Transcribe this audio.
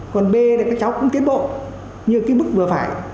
còn b là các cháu cũng tiến bộ nhưng cái mức vừa phải